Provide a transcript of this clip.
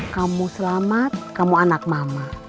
kamu selamat kamu anak mama